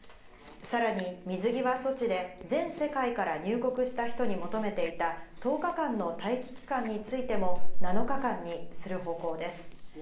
さらに水際措置で全世界から入国した人に求めていた１０日間の待機期間についても、７日間にする方向です。